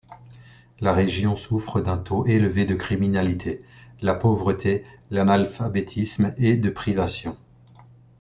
La région souffre d'un taux élevé de criminalité, la pauvreté, l'analphabétisme et de privation.